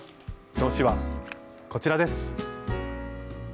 表紙はこちらです。